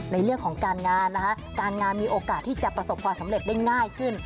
ในเรื่องของการงานนะคะการงานมีโอกาสที่จะประสบความสำเร็จได้ง่ายขึ้น